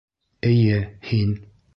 — Эйе, һин.